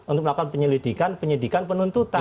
untuk melakukan penyelidikan penyidikan penuntutan